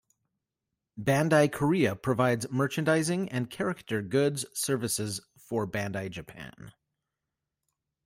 Bandai Korea provides merchandising and character goods services for Bandai Japan.